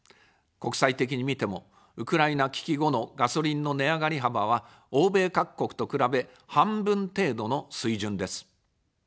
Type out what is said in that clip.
国際的に見ても、ウクライナ危機後のガソリンの値上がり幅は、欧米各国と比べ、半分程度の水準です。